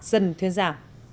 dần thuyên giả